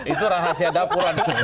itu rahasia dapuran